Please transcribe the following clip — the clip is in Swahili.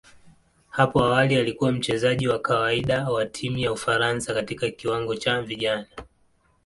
Hapo awali alikuwa mchezaji wa kawaida wa timu ya Ufaransa katika kiwango cha vijana.